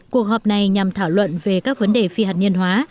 cuộc họp này nhằm thảo luận về các vấn đề phi hạt nhân hóa